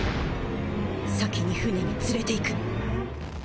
先に船に連れていく。